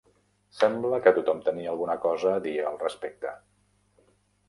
Sembla que tothom tenia alguna cosa a dir al respecte.